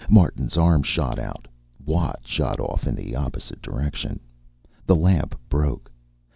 Martin's arm shot out. Watt shot off in the opposite direction. The lamp broke.